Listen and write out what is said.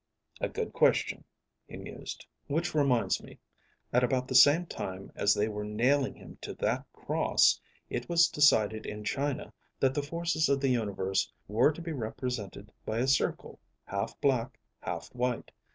"A good question," he mused. "Which reminds me, at about the same time as they were nailing him to that cross, it was decided in China that the forces of the universe were to be represented by a circle, half black, half white.